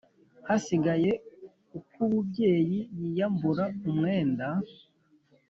hasigaye ak'ububyeyi, yiyambura umwenda